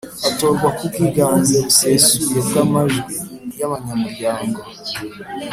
Atorwa ku bwiganze busesuye bw’amajwi y’abanyamuryango